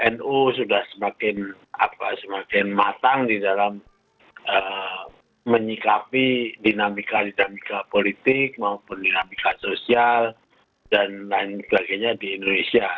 nu sudah semakin matang di dalam menyikapi dinamika dinamika politik maupun dinamika sosial dan lain sebagainya di indonesia